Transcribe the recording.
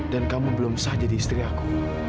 dan kamu belum sah jadi istri aku